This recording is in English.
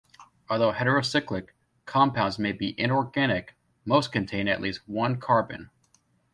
Although heterocyclic compounds may be inorganic, most contain at least one carbon.